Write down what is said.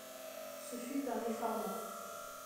Ce fut un effarement.